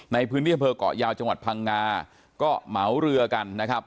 ในพื้นที่อำเภอกเกาะยาวจังหวัดพังงาก็เหมาเรือกันนะครับ